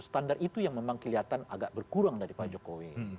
standar itu yang memang kelihatan agak berkurang dari pak jokowi